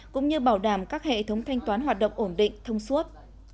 cũng như bảo đảm các hệ thống thanh toán hoạt động ổn định thông suốt